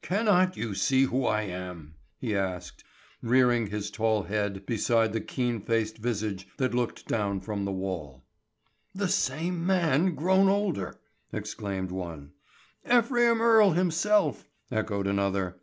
"Cannot you see who I am?" he asked, rearing his tall head beside the keen faced visage that looked down from the wall. "The same man grown older," exclaimed one. "Ephraim Earle himself!" echoed another.